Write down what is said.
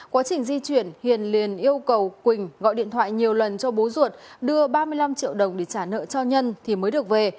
quá trình di chuyển hiền liền liền yêu cầu quỳnh gọi điện thoại nhiều lần cho bố ruột đưa ba mươi năm triệu đồng để trả nợ cho nhân thì mới được về